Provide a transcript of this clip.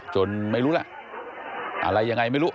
ไม่รู้ล่ะอะไรยังไงไม่รู้